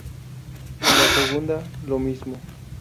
En la segunda, lo mismo.